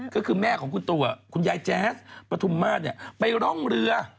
ก็คือแม่ของคุณตัวคุณยายแจ๊สปฐุมมาตรไปร่องเรือ